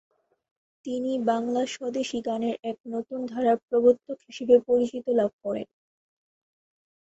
তিনি বাংলা স্বদেশী গানের এক নতুন ধারার প্রবর্তক হিসাবে পরিচিতি লাভ করেন।